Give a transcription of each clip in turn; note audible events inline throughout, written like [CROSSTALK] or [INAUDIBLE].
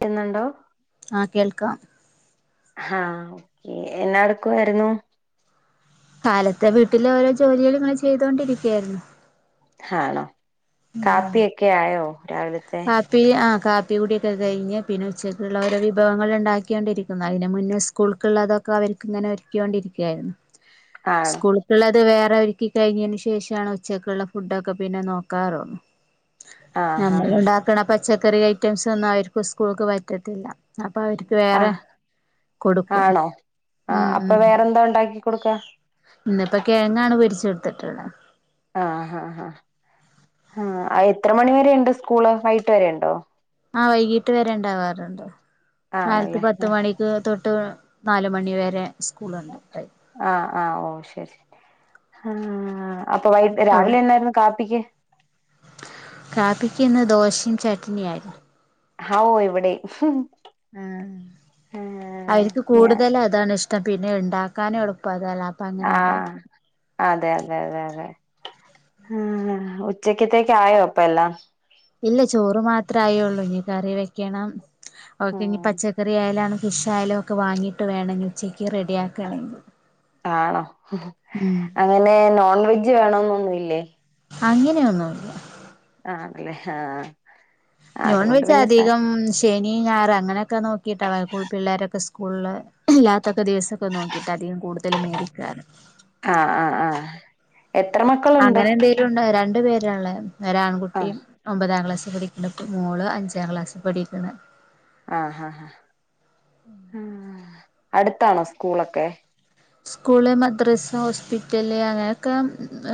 ക്കുന്നുണ്ടോ ആഹ് കേൾക്കാം ഹാ ക്കേ എന്നാ എടുക്വയിര്ന്നു. കാലത്തെ വീട്ടിലെ ഓരോ ജോലികളിങ്ങനെ ചെയ്തൊണ്ടിരിക്കയായിരുന്നു. ആണോ കാപ്പി എക്കെ ആയോ ഓ രാവിലത്തെ കാപ്പി ആഹ് കാപ്പി കൂടിയൊക്കെ കഴഞ്ഞ് പിന്നെ ഉച്ചയ്ക്ക്ള്ള ഓരോ വിഭവങ്ങള് ഉണ്ടാക്ക്യോണ്ടിരിക്കുന്നു അതിന് മുന്നേ സ്കൂൾക്കുള്ളതൊക്കെ അവർക്ക് ഇങ്ങനെ ഒരുക്ക്യോ ണ്ടിരിക്യായിരുന്നു. ആണോ സ്കൂൾക്ക്ള്ളത് വേറ റെ ഒരുക്കി കയ്ഞ്ഞെന് ശേഷാണ് ഉച്ചക്കുള്ള ഫുഡൊക്കെ പിന്നെ നോക്കാറുള്ളു ആഹ് ഹാ ഹാ നമ്മള്ണ്ടാക്ണ പച്ച ക്കറി ഐറ്റംസൊന്നും അവര്ക്ക് സ്കൂൾക്ക് പറ്റത്തില്ല അപ് അപ്പ അവര്ക്ക് വേറെ ആഹ് കൊടുക്കും ആണോ ആഹ് മ് അപ്പൊ മ് വേറെന്താ ഉണ്ടാക്കി കൊടുക്ക ഇന്നിപ്പൊ കിഴങ്ങാണ് പൊരിച്ചെ ഇട്ത്ത്ട്ട്ള്ളെ ആ ഹ ഹ ആ എത്ര മണി വരെ ണ്ട് സ്കൂള് വൈകീട്ട് വരെ ഉണ്ടൊ ആ വൈകീട്ട് വരെ ഇണ്ടാവാറ്ണ്ട് കാലത്ത് ആണല്ലേ പത്ത് മണിക്ക് തൊട്ട് നാല് മണി വരെ സ്കൂള്ണ്ട് ടൈ ആ ഓ ശരി ഹാ അപ്പൊ വൈകി അവിടെ രാവിലെന്നായിരുന്നു കാപ്പിക്ക് കാപ്പിക്കിന്ന് ദോശയും ചട്ട്നിയാരുന്നു ഹൗ ഇവിടേം ആ അവര്ക്ക് ഞാ കൂടുതല് അതാണിഷ്ടം പിന്നെ ഇണ്ടാക്കാനും എളുപ്പ ആ അതെ അതെ അതെ അതെ ആ ഉച്ചക്കത്തേക്ക് ആയോ ഇപ്പല്ലാം ഇല്ല ചോറ് മാത്രെ ആയൊള്ളു ഇനി കറി വെക്കണം ഓക്കെ ഇനി ഉം പച്ചക്കറി ആയാലാണ് ഫിഷായാലും ഒക്കെ വാങ്ങീട്ട് വേണം ഇനി ഉച്ചക്ക് റെഡി ആക്കണെങ്കി ആണോ അങ്ങനെ നോൺ വെജ് വേണന്നൊന്നു ല്ലേ അങ്ങനെയൊന്നുല്ല്യ ആണല്ലെ ഹാ നോൺ വെജ് അധികം ശ ശനി ഞായറ് അങ്ങനെ ഒക്കെ നോക്കിയിട്ട വ [UNINTELLIGIBLE] പിള്ളോരൊക്കെ സ്ക് സ്കൂളില് ഇല്ലാത്തൊക്കെ ദിവസൊക്കെ നോക്കിട്ട അധികം കൂടുതല് മേടിക്കാറ് ആ ആ ആ അങ്ങനെ എന്തേലും ഉണ്ട രണ്ട് പേര് രള്ളെ ഒര് ആഹ് ആൺകുട്ടിയും ഒമ്പതാം ക്ലാസ്സില് പഠിക്കണപ്പോ മോള് അഞ്ച് പത്താം ക്ലാസ് പഠിക്കണ ആ ഹ ഹ ആ അടുത്താണോ സ്കൂളൊക്കെ സ്കൂള് മദ്രാസ ഹോസ്പിറ്റല് അങ്ങനെയൊക്കെ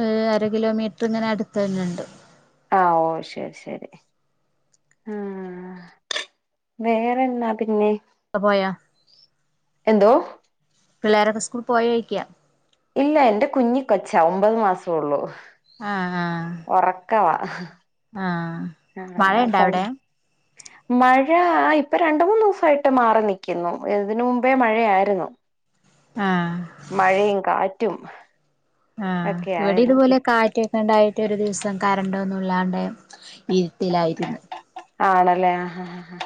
ഏ അര കിലോമീറ്റർ ഇങ്ങനെ അടുത്തന്നെണ്ട് ആ ഓ ശരി ശരി ആ വേറെന്നാ പിന്നെ തപായ എന്തോ? പിള്ളേരൊക്കെ സ്കൂൾ പോയോയ്ക്ക ഇല്ല എന്റെ കുഞ്ഞിക്കൊച്ച ഒമ്പത് മാസം ഉള്ളൂ ആ ആ അ ആ മഴയുണ്ടോ സ അവിടെ മഴ ഇപ്പൊ രണ്ട് മൂന്നുസയിട്ട് മാറി നിക്കുന്നു ഇതിന് മുമ്പേ മഴയായിരുന്നു ആഹ് മഴയും കാ റ്റും ആ ഇവിടെ ഇതുപോലെ കാറ്റൊക്കെണ്ടായി റ്റൊരു ദിവസം കരണ്ടോന്നുല്ലാണ്ട് ഇരുട്ടിലായിരുന്ന് ആണല്ലേ ആ ഹ ഹാ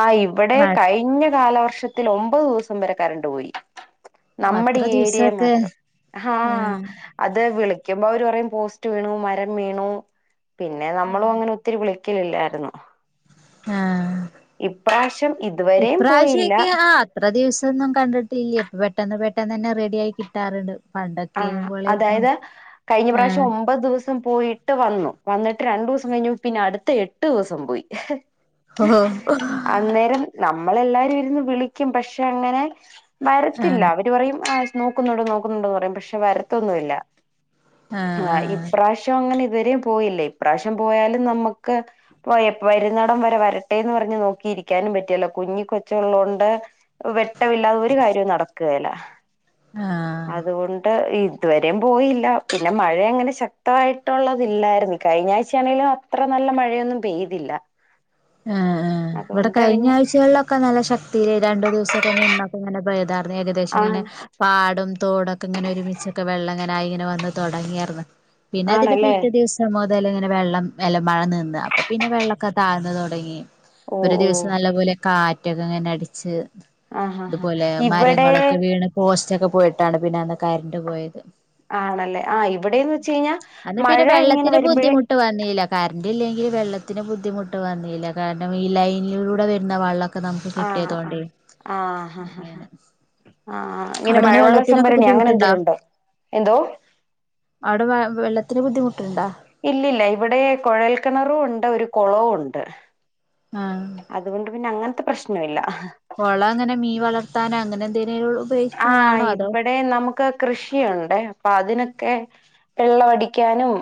ആ ഇവിടെ മഴക്ക് കഴിഞ്ഞ കാലവർ ഷത്തിലൊമ്പത് ദിവസം വരെ കരണ്ട് പോയി നമ്മുടെ അത്ര ഏരിയ ദിവസൊക്കെ മാത്രം ആ ആഹ് അതേ പോലെ ക്കുമ്പോ അവര് പറയും പോസ്റ്റ് വീണു മരം വീണു പിന്നെ നമ്മളും അങ്ങനെ ഒത്തിരി വിളി ഇല്ലില്ല ആ ഇപ്രാവശ്യം ഇതുവരെയും പോയില്ല ന്നും കണ്ടിട്ടില്ലേ അപ്പ പെട്ടന്ന് പെട്ടെന്ന് തന്നെ റെഡി ആയി കിട്ടാറുണ്ട് ആ പണ്ടൊക്കെ പോലെയായിരുന്നു അതായത് കഴിഞ്ഞ പ്രാവശ്യം ആഹ് ഒമ്പത് ദിവസം ദിവസം പോയിട്ട് വന്നു വന്നിട്ട് രണ്ടു ദിവസം കഴിഞ്ഞു പിന്നെ അടുത്ത എട്ട് ദിവസം പോയി ഹൊ മ്മളെല്ലാരും ഇരുന്ന് വിളിക്കും പക്ഷെ അങ്ങനെ വരത്തില്ല ആഹ് അവര് പറയും നോക്കുന്നുണ്ട് നോക്കുന്നുണ്ടന്ന് പറയും പ പക്ഷെ വരത്തൊന്നു ഇല്ല ആഹ് ആ ആഹ് പ്രാവശ്യം അങ്ങനെ വരെയും പോയില്ല ഇപ്രാവശ്യം പോയാലും നമ്മുക്ക് പോ വരുന്നടം വരെ വരട്ടെന്ന് പറഞ്ഞ് നോക്കിരിക്കാനും പറ്റിയല്ലോ കുഞ്ഞി കൊച്ച്ള്ളോണ്ട് വെട്ടമില്ലാതെ ഒരു കാര്യവും നടക്ക കേല ആഹ് അതുകൊണ്ട് ഇ ഇതുവരെയും പോയില്ല പിന്നെ മഴ അങ്ങനെ ശക്തയിട്ടുള്ളലായിരുന്നു കഴിഞ്ഞ ആഴ്ചയാണെങ്കലും അത്ര നല്ല മഴയൊന്നും പെയ്തില്ല ആ ആ ഇവിടെ അതുകൊണ്ട് കഴിഞ്ഞ പിന്നെ ആഴ്ചകളിലൊക്കെ നല്ല ശക് ഈ രണ്ട് ദിവസൊക്കെ നിന്നൊപോഇങ്ങനെ പോയത ഏകദേശം ആ ഇങ്ങനെ പാടും തോടൊക്കെ ഇങ്ങനെ ഒരുമിച്ചൊക്കെ വെള്ളം ഇങ്ങനൊയി ഇങ്ങനെ വന്ന് തോടങ്ങിയാർന്ന് പിന്നെ അതിന്റെ ആണല്ലേ പിറ്റേദിവസം [UNINTELLIGIBLE] ഇങ്ങനെ വെള്ളം അല്ലമഴ നിന്ന് അപ്പ പിന്നെ വെള്ളൊക്കെ താഴ്ന്നു തു അ ഓ [UNINTELLIGIBLE] ഒരു ഓ ദിവസം നല്ല പോലെ കാറ ഒറ്റക്കെ അങ്ങനെ അടിച്ച് ആഹ് ആഹ് ഇതുപോലെ ഇവിടെ മരങ്ങളൊക്കെ വീണ് പോഷ് ഉച്ചൊക്കെ പോയിട്ടാണ് പിന്നെ അന്ന കരണ്ട് പോയത് ആണല്ലേ ആ ഇവിടെന്ന് വെച്ച് കഴിഞ്ഞാൽ അന്ന് മഴ ഇങ്ങനെ വരുമ്പോഴേ ഇത്‌ല്ലെങ്കിൽ വെള്ളത്തിന് ബുദ്ധിമുട്ടുവ [UNINTELLIGIBLE] കാരണം ഈ ലൈനിലൂടെ വരുന്ന വള്ളം ആ ആആ ഹ ഹ അങ്ങനെ ആ ഇങ്ങനെ അവിടെങ്ങനെ മഴവെള്ള വെള്ളത്തിനൊക്കെ സംഭരണി അങ്ങനെ ബുദ്ധിമുട്ടുണ്ടോ എന്തേലുംണ്ടോ എന്തോ ഇത്തിരി ബുദ്ധിമുട്ടുണ്ട ഇല്ലല്ല ഇവിടെ കുഴൽക്കിണറും ഉണ്ട് ഒരു കുളവും ഉണ്ട് അതുകൊണ്ട് പിന്നെ അങ്ങ പ്രശ്നം ഇല്ല കുളം അങ്ങനെ മീ ൻവളർത്താനോ അങ്ങനെ തിനെ ഒളു ആ ഇവിടെ നമുക്ക് കൃഷിയുണ്ട്അപ്പൊ അതിനൊ ക്കെ വെള്ള അടിക്കാനും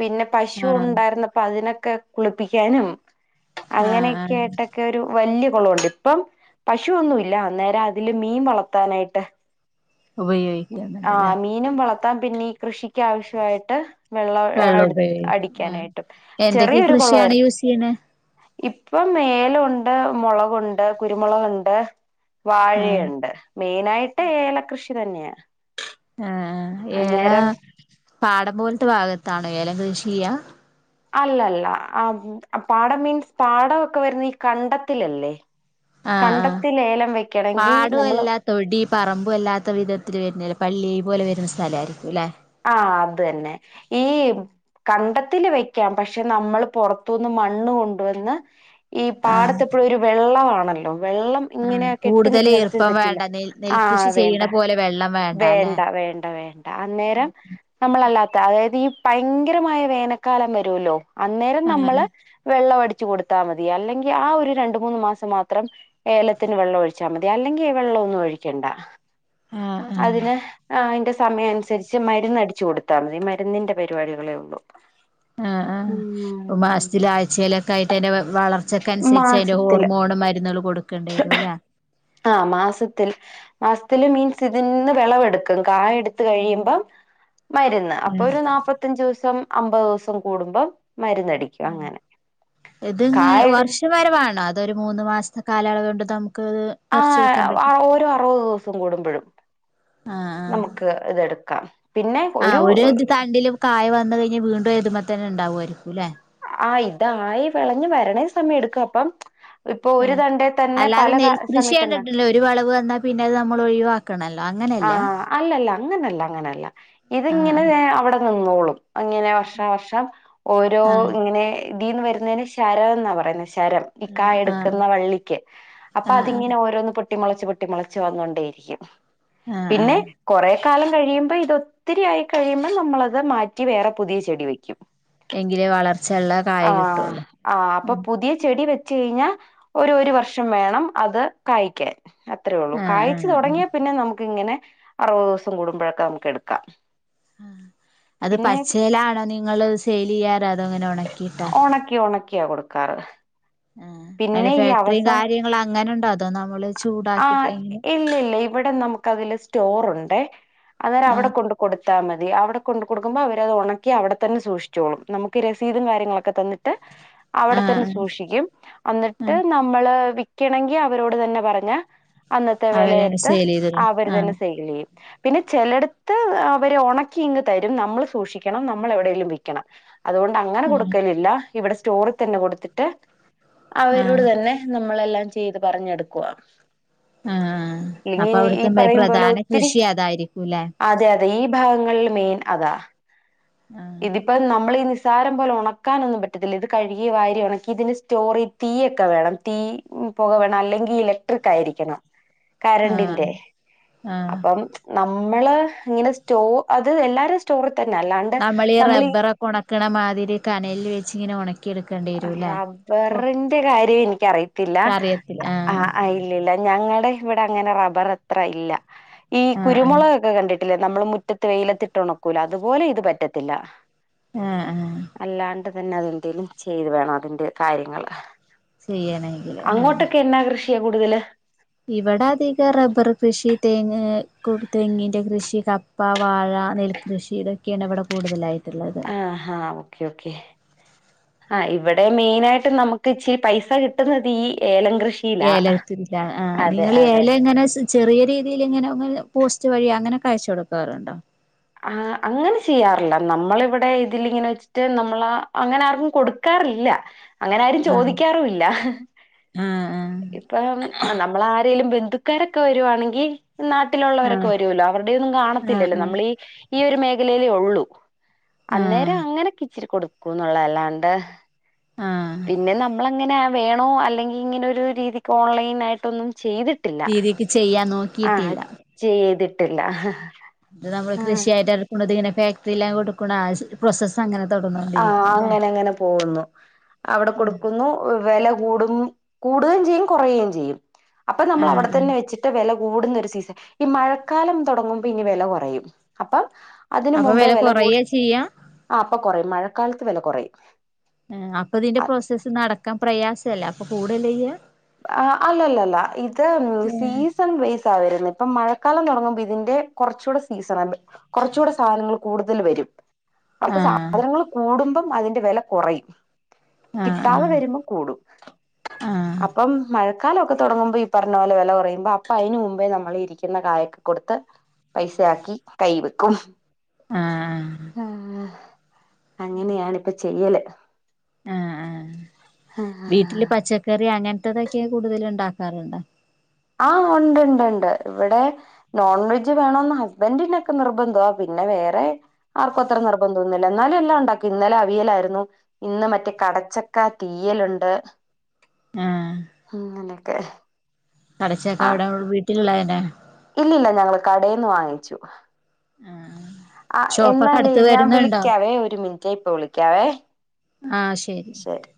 പിന്നെ പശു ആഹ് ഉണ്ടായിരുന്നപ്പ അതിനൊ ഒക്കെ കുളിപ്പിക്കാനും ആഹ് അങ്ങനെയൊക്കെ ആഹ് ആയിട്ടൊക്കെ ഒരു വല്ല ഒളോണ്ട് ഇപ്പം പശുനുല്ല അന്നേരം അതില് മീൻ വളർത്താനായിട്ട് കുത്ത [UNINTELLIGIBLE] ഉപയോഗിക്കന്ണ്ട്ലേ ത്താൻ പിന്നെ ഈ കൃഷിക്ക് ആവശ്യമായിട്ട് വെള്ളം അ ഉപയോഗിക്കും ആഹ് അടിക്കാനായിട്ടും എന്തൊക്കെ ചെറിയൊരു കൃഷിയാണ് കൊളായിരുന്നു യൂസ് ചെയ്യണേ ഇപ്പ മേല ഉ ടെ മുളകുണ്ട് കുരുമുളകുണ്ട് ആഹ് വാഴയുണ്ട് മെയിനായിട് ഏ ഏല കൃഷി തനെയാ ആ ഏല പാടം പോലത്തെ ഭാഗത്താണ് ഏലം കൃഷി ചെയ്യ അല്ലല്ല ആ പാടം മീൻസ് പാടമൊക്കെ വരുന്ന ഈ കണ്ടത്തിലല്ലേ ആ ആ കണ്ടത്തിൽ ഏലം വെക്കണെങ്കി പാടും നമ്മള് ല്ല തൊടി പറമ്പും അല്ലാത്ത വിധത്തില് വരുന്നില്ലേ പള്ളി പോലെ വരുന്ന സ്ഥലമായിരിക്കും അല്ലേ ആ അത് തന്നെ ഈ കണ്ട ത്തി വെക്കാം പക്ഷെ നമ്മൾ പുറത്തുനിന്ന് മണ്ണ് കൊണ്ടുവന്ന് ഈ ആഹ് പാടത്തെ എപ്പോയും ഒരു വെള്ളമാണ് ല്ലോ വെള്ളം ആഹ് ഇങ്ങനെ കെട്ടി കൂടുതല് നിക്കുന്നിടത്ത് ഇത് ഈർപ്പം പറ്റില്ല. വേണ്ട നെൽ ആ നെൽകൃഷി വേണ്ട ചെയ്യണ പോലെ വെള്ളം അല്ലെ വേണ്ട വേണ്ട വേണ്ട അന്നേരം നമ്മളല്ലാത്ത അതായത് ഈ ഭയങ്കരമായ വേനൽക്കാലം വരുല്ലോ അന്നേരം ആഹ് നമ്മള് വെള്ളംഅടി വെച്ചു കൊടുത്താൽ മതി. അല്ലെങ്കിൽ ആ ഒരു രണ്ട്, മൂന്ന് മാസം മാത്രം ഏലത്തിന് വെള്ളം ഒഴിച്ചാൽ മതി. അല്ലെങ്കിൽ വെള്ളം ഒന്നും ഒഴിക്കേണ്ട ആഹ് ആഹ് അതിനെ ആ ന്റെ സമയനുസരിച്ച് മരുന്ന് അടിച്ചു കൊടുത്താൽ മതി, ഈ മരുന്നിന്റെ പരിപാടികളെ ഉള്ളൂ ആ ആ ഉം മാസത്തില് ആഴ്ചയിലൊക്കെ ആയിട്ടയ്ന്റെ വള വളർച്ചക്കനുസരിച്ച് അതിന്റെ മാസത്തില് ഹോർമോണ് മരുന്നുകള് കൊടുക്കേണ്ടെരും ല്ലേ ആ മാസത്തിൽ മാസത്തില് മീൻസ് ഇതിൽന്ന് വിളവെടുക്കും. കായ എടുത്ത് കഴിയുമ്പം മരുന്ന് അപ്പൊ ഉം ഒരു നാല്പത്തഞ്ച് ദിവസം അമ്പത് ദിവസം കൂടുമ്പ മരുന്നടിക്കും അങ്ങനെ കായ വർഷ വരവാണോ അതൊരു മൂന്ന് മാസം കാലളവുകൊണ്ട് നമുക്ക് ആ പറിച്ചെടുക്കാൻ ഹ് ഓരോ അറുപത് ദിവസം സം കൂടുമ്പോഴും ആ ആ നമുക്ക് ഇതെടുക്കാം പിന്നെ ആ ഒരു ഇത് തണ്ടില് കായ വന്ന കഴിഞ് വീണ്ടും അതുമ ന്നെ ഉണ്ടാവായിരിക്കും ല്ലേ ആ ഇതായി വിളഞ്ഞഞ് വരണേ സമയം എടുക്കും അപ്പം ഇപ്പൊ ആ ഒരു തണ്ടേ തന്നെ അല്ലാതെ പല നെൽകൃഷി സമയത്തുണ്ട കണ്ടിട്ടില്ലേ ഒരു വളവ് വന്നാ പിന്നെത് മ്മള് ഒഴി ക്ണല്ലോ അങ്ങനെല്ല അങ്ങനെല്ല ഇത് ഇങ്ങനെ വിടെ [UNINTELLIGIBLE] ഇങ്ങനെ വർഷാ വർഷം ഓരോ ആഹ് [UNINTELLIGIBLE] ഇതിന്ന് വരുന്നതിന് ശാരോന്നാ പറയുന്നെ ശാ രം ഈ ആഹ് ആഹ് കായെടുക്കുന്ന വള്ളിക്ക് അപ്പൊ ആഹ് അതിങ്ങനെ ആഹ് ഓരോന്ന് പൊ പൊട്ടിമുളച്ച് പൊട്ടി മുളച്ച് വന്നൊണ്ടേയിരിക്കും ആഹ് പിന്നെ ആഹ് കൊറ കാലം കഴിയുമ്പോ ഇതൊത്തിരിയായി കഴിയുമ്പോ നമ്മളത് മാറ്റി വേറെ പുതിയ ചെടി വെക്കും എങ്കിലേ വളർച്ചള്ള കായ കിട്ടുള്ളൂ കയിഞ്ഞാ ഒരു ഒരു വർഷം വേണം അത് കായ്ക്കാൻ അത്രയേ ഉള്ളൂ ആഹ് കാഴ്ച്ചു ആഹ് തുടങ്ങിയാൽ പിന്നെ നമുക്ക് ഇങ്ങനെ അറുപത് ദിവസം കൂടുമ്പോഴൊക്കെ നമുക്ക് എടുക്കാം ആ അത് പിന്നെ പച്ചേലാണോ നിങ്ങള് സേലെയാറ് അതങ്ങനെ ഉണക്കി ഒണക്കി ഒണക്കിയാ കൊടുക്കാറ് ആഹ് അതിന്റെ പിന്നെ ഈ ഫാക്ടറിയും അവസാ കാര്യങ്ങളും അങ്ങനെ ഉണ്ടോ അതോ നമ്മള് ആ ചൂടാക്കിട്ട് എങ്ങനെ ഇല്ല ഇല്ല ഇവിടെ നമുക്ക് അതില് സ്റ്റോറുണ്ട് [UNINTELLIGIBLE] അന്നേരം അവിടെ ആഹ് കൊണ്ട് കൊടുത്താൽ മതി അവിടെ കൊണ്ട് കൊടുക്ക്മ്പോ അവരത് ഒണക്കി അവിടെത്തന്നെ സൂക്ഷിച്ചോളും നമുക്ക് രസീതും കാര്യങ്ങളൊക്കെ തന്നിട്ട് അവിടെ തന്നെ ആഹ് സൂക്ഷിക്കും അന്നിട്ട് ആഹ് നമ്മള് വിക്കണെങ്കി അവരോട് തന്നെ പറഞ്ഞ അന്നത്തെ ആഹ് അവരന്നെ വിലഎടുത്ത് സെയിൽ ചെയ്തരും അവര് ആഹ് തന്നെ സൈൽ ചെയ്യും പിന്നെ ചെലടുത്ത് അവര് ഉണക്കി ഇങ്ങ് തരും, നമ്മൾ സൂക്ഷിക്കണം, നമ്മള് എവിടേലും വിൽക്കണം അതുകൊണ്ട് അങ്ങനെ ഉം കൊടുക്കലില്ല [INAUDIBLE] ഇവിടെ സ്റ്റോറിൽ തന്നെ കൊടുത്തിട്ട് അവരോട് ആഹ് തന്നെ നമ്മളെല്ലാം ചെയ്ത് പറഞ്ഞെടുക്കുവാ ആഹ് അപ്പൊ [UNINTELLIGIBLE] ഈ അവിടുത്തെ പറയുംപോലെ പ്രധാന ഒത്തിരി കൃഷി അതായിരിക്കൂല്ലേ അതെ അതെ ഈ ഭാഗങ്ങളിൽ മെയിനാ അതാ ആഹ് ഇതിപ്പ നമ്മളീ നിസ്സാരം പോലെ ഉണക്കാനൊന്നും പറ്റത്തില്ല. ഇത് കഴുകി വാരി ഉണക്കി ഇതിന് സ്റ്റോർ തീയൊക്കെ വേണം, തീ പുക വേണം അല്ലെങ്കിൽ ഇലക്ട്രിക് ആയിരിക്കണം കരണ്ടിന്റെ ആഹ് ആഹ് അപ്പം ന [INAUDIBLE] നമ്മള് ഇങ്ങനെ സ്റ്റോ അത് എല്ലാരും [UNINTELLIGIBLE] തന്നെ അല്ലാണ്ട് ഈ നമ്മളീ റബ്ബറൊക്കെ ഒണ [UNINTELLIGIBLE] ക്കണെമാതിരി കനല് വെച്ച് ഇങ്ങനെ ഉണക്ക റബ്ബറിന്റെ കാര്യം ഇൻക്കറിയത്തില്ല. അറിയത്തില്ല ആഹ് ആ ഇല്ലല്ല ഞങ്ങള് ടെ ഇവിടെ അങ്ങനെ റബ്ബർ അത്ര ഇല്ല. ഈ ആഹ് ആഹ് കുരുമുളകൊക്കെ കണ്ടിട്ട [INAUDIBLE] നമ്മള് മുറ്റത്ത് വെയിലത്തിട്ട് ഉണക്കൂലെ അതുപോലെ ഇത് പറ്റത്തില്ല ആ ആ പിന്നെ അതെന്തേലും [INAUDIBLE] ചെയ്തു വേണം അതിന്റെ കാര്യങ്ങള് ചെയ്യനെങ്കിൽ [UNINTELLIGIBLE] കൂടുതല് ഇവിടെ അധികം റബ്ബർ കൃഷി, [UNINTELLIGIBLE] തെങ്ങിന്റെ കൃഷി, കപ്പ, വാഴ, നെൽകൃഷി ഇതൊക്കെണ് ഇവിടെ കൂടുതലായി ആ ഹാ ഓക്കെ ഓക്കെ, ആ ഇവിടെ മെയ്നായിട്ട് നമുക്ക് ഇച്ചിരി പൈസ കിട്ടുന്നത് ഈഏലം ഏലത്തിലാ ആ അതെ നിങ്ങൾഏലം എങ്ങനെ ചെറിയ രീതിയിലിങ്ങനെ പോസ്റ്റ് വഴി അങ്ങനൊക്കെ അയച്ച് കൊടുക്കാറുണ്ടോ? ആ അങ്ങനെ ചെയ്യാറില്ല നമ്മളിവിടെ ഇതിലിങ്ങനെ വെച്ചിട്ട് നമ്മള് അങ്ങനെ ആർക്കും കൊടുക്കാറില്ല. അങ്ങനെ ആരും ആ ചോദിക്കാറൂല്ല. ആ ആ ഇപ്പ നമ്മള് ആരേലും ബന്ധ [UNINTELLIGIBLE] ക്കാരൊക്കെ വരുവാണെങ്കി നാട്ടിലുള്ളവരൊക്കെ ആ വരുല്ലോ അവർ ടെയൊന്നും കാണത്തില്ലല്ലോ നമ്മളീ ഈ യൊരു മേഖലയിലേ ഒള്ളൂ ആ ആ അന്നേരം അങ്ങനെകിച്ചിരി കൊടു ക്കും ന്നല്ലാണ്ട് ആ പിന്നെ നമ്മളങ്ങനെ വേണോ അല്ലെങ്കിങ്ങനെ ഒരു രീതിക്ക് ഓൺലൈൻ ആയിട്ടൊന്നും ചെയ്തിട്ടില്ല രീതിക്ക് ചെയ്യാൻ ആ നോക്കിയിട്ടില്ല ചെയ്തിട്ട ട്ടില്ല ഇത് നമ്മള് കൃഷിയായിട്ട്ടുക്കുന്നതിനെ ഫാക്ടറില് കൊടുക്കുണ പ്രൊസസ്സങ്ങനെ ആ അങ്ങനെ ങ്ങനെ പോകുന്നു അവിടെ കൊടുക്കുന്നു വെല കൂടും കൂടുകയും ചെയ്യും കുറയുകയും ചെയ്യും അപ്പൊ ആ നമ്മള് അവിടെ ആ തന്നെ വെച്ചിട്ട് വെല കൂ കൂടുന്നൊരു സീസൺ ഈ മഴക്കാലം തുടങ്ങുമ്പോ ഇനി വെല കൊറയും അപ്പം അതിന് അപ്പൊ മുമ്പേ വില കൂടി കൊറയാ ചെയ്യാ ആ അപ്പൊ കുറയും മഴക്കാലത്ത് വില കോറയും ഉം അപ്പൊ ഇതിന്റെ പ്രോസസ്സ് നടക്കാം പ്രയാസല്ലെ അപ്പൊ കൂടല്ലെയ്യ ആ അല്ലല്ലല്ല ഇത് സീസൺ വെയ്സാവരുന്നെ പ്പം മഴക്കാലം തുടങ്ങുമ്പോ ഇതിന്റെ കുറച്ടെ സീസൺ കുറച്ച കൂടെ സാധനങ്ങൾ കൂടുതൽ വരും അപ്പൊ ആ സാധനങ്ങൾ കൂടുമ്പം അതിന്റെ വെല കൊറയും ആ ആ കിട്ടാതെ വരുമ്പോ കൂടും ആ ആ പ്പം മഴക്കാലോ ക്കെ തുടങ്ങുമ്പോ ഈ പറഞ്ഞ പോലെ വില കോറയുമ്പോ അപ്പൊ അയ്ൻ മുമ്പേ നമ്മൾ ഇരിക്കുന്ന കായൊക്കെ കൊടുത്ത് പൈസ ആക്കി കൈയി വെക്കും ആ ആ അങ്ങനെയണിപ്പ ച് ചെയ്യല് ആ ആ വീട്ടില് പച്ചക്കറി അങ്ങ തൊക്കെ കൂടുതല് ണ്ടാക്കാറുണ്ടോ ആ ഉണ്ട്ണ്ട്ണ്ട് ഇവ്ടെ നോൺ വെജ് വീണോന്ന് ഹസ്ബന്ഡിനൊക്കെ നിർബന്ധമാ പിന്നെ വേറെ ആർക്കും അത്ര നിർബന്ധംന്നില്ല എന്നാലും എല്ലാം ഉണ്ടാക്കും ഇന്നലെ അവിയലായിരുന്നു ഇന്ന് മറ്റേ കടച്ചക്ക തീയലുണ്ട് ല്ലെ ക്കെ കടച്ചക്കെ അവിടെ വീട്ടിലുള്ള എ ഇല്ലില്ല ഞങ്ങൾ കടെന്ന് വാങ്ങിച്ചു ആ ഷോപ്പൊക്കെ എന്നാലേ അടുത്ത് ഞാൻ വരുന്നുണ്ടോ വിളിക്കാവേ ഒരു മിനിറ്റ് ഇപ്പൊ വിളിക്കാവേ ശരി